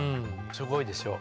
すごいですよ